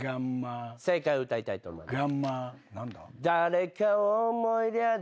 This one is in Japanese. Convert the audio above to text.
正解を歌いたいと思います。